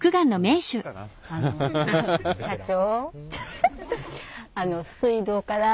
あの社長。